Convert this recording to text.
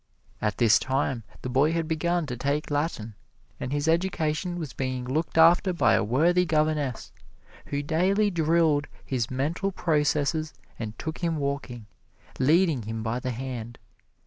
At this time the boy had begun to take Latin, and his education was being looked after by a worthy governess, who daily drilled his mental processes and took him walking, leading him by the hand.